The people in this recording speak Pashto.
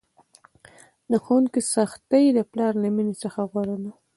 د ښوونکي سختي د پلار له میني څخه غوره ده!